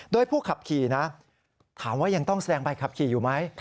โดยผู้ขับขี่นะถามว่ายังต้องแสดงใบขับขี่อยู่ไหม